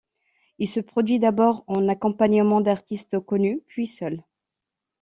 Il se produit d'abord en accompagnement d'artistes connus puis seul.